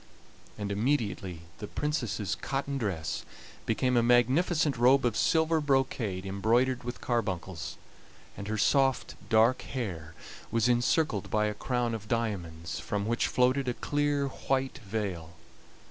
And immediately the Princess's cotton dress became a magnificent robe of silver brocade embroidered with carbuncles, and her soft dark hair was encircled by a crown of diamonds, from which floated a clear white veil.